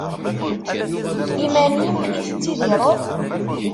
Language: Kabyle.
Iman-im i tettidireḍ?